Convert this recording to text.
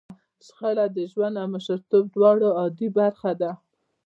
شخړه د ژوند او مشرتوب دواړو عادي برخه ده.